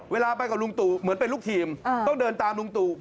เวลาไปกับลุงตู่เหมือนเป็นลูกทีมต้องเดินตามลุงตู่